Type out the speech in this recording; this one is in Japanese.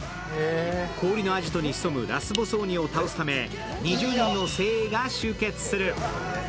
氷の城に潜むラスボス鬼を倒すため２０人の精鋭が集結する。